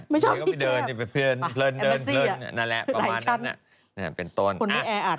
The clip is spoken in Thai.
ไม่ชอบที่เที่ยวแอมโนซี่อะไหนฉันคนนี้แออัด